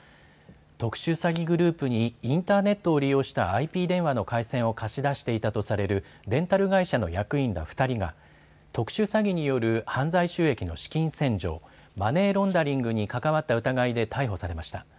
特殊詐欺グループにインターネットを利用したＩＰ電話の回線を貸し出していたとされるレンタル会社の役員ら２人が特殊詐欺による犯罪収益の資金洗浄・マネーロンダリングに関わった疑いで逮捕されました。